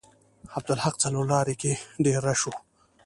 عبدالحق څلور لارې کې ډیر رش و.